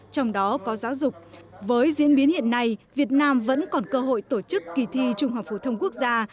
trong đó có giáo dục với diễn biến hiện nay việt nam vẫn còn cơ hội tổ chức kỳ thi trung học phổ thông quốc gia